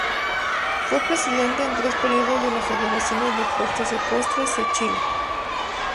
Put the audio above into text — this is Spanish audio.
Fue Presidente en tres periodos de la Federación de Deportes Ecuestres de Chile.